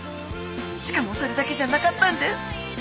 しかもそれだけじゃなかったんです。